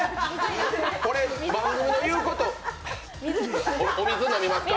番組の言うことお水飲みますか？